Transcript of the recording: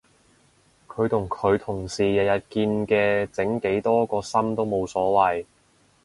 佢同佢同事日日見嘅整幾多個心都冇所謂